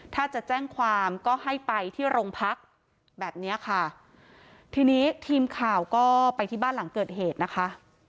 ถ้าจะแจ้งความก็ให้ไปที่โรงพักแบบเนี้ยค่ะทีนี้ทีมข่าวก็ไปที่บ้านหลังเกิดเหตุนะคะ